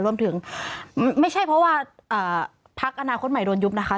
รวมถึงไม่ใช่เพราะว่าพักอนาคตใหม่โดนยุบนะคะ